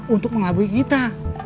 untuk mengabui kita